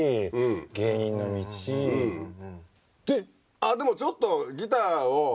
ああでもちょっとギターを。